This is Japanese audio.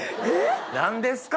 何ですか？